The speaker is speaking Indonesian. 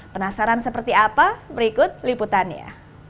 penasaran seperti apa berikut liputannya